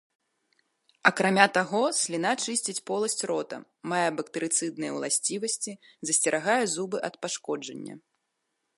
Акрамя таго, сліна чысціць поласць рота, мае бактэрыцыдныя ўласцівасці, засцерагае зубы ад пашкоджання.